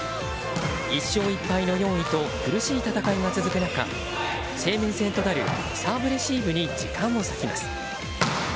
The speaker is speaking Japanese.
１勝１敗の４位と苦しい戦いが続く中生命線となるサーブレシーブに時間を割きます。